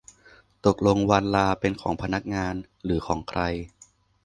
ตกลงวันลาเป็นของพนักงานหรือของใคร